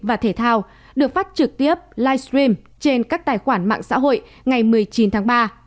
và thể thao được phát trực tiếp livestream trên các tài khoản mạng xã hội ngày một mươi chín tháng ba